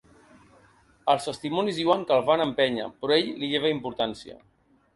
Els testimonis diuen que el van empènyer, però ell li lleva importància.